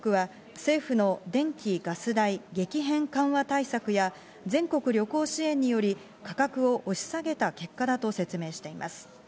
総務省統計局は政府の電気・ガス代「激変緩和対策」や、全国旅行支援により価格を押し下げた結果だと説明しています。